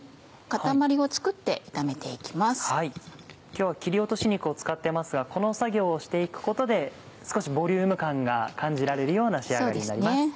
今日は切り落とし肉を使っていますがこの作業をして行くことで少しボリューム感が感じられるような仕上がりになります。